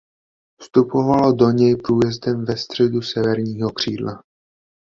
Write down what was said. Vstupovalo se do něj průjezdem ve středu severního křídla.